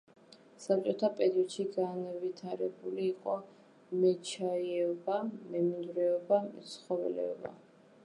საბჭოთა პერიოდში განვითარებული იყო მეჩაიეობა, მემინდვრეობა, მეცხოველეობა.